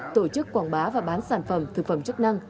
tổ chức quảng bá và bán sản phẩm thực phẩm chức năng